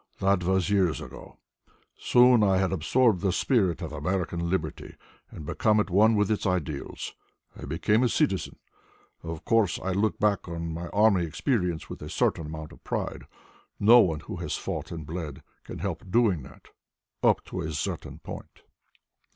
That was years ago. Soon I had absorbed the spirit of American liberty and became at one with its ideals. I became a citizen. Of course I looked back on my army experience with a certain amount of pride. No one who has fought and bled can help doing that up to a certain point."